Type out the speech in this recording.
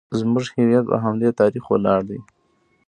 زموږ هویت په همدې تاریخ ولاړ دی